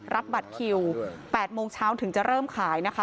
รับบัตรคิว๘โมงเช้าถึงจะเริ่มขายนะคะ